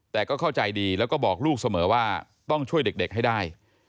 แต่ก็เข้าใจดีแล้วก็บอกลูกเสมอว่าต้องช่วยเด็กให้ได้